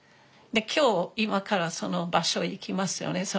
で今日今からその場所行きますよね。